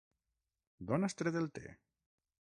D'on has tret el te?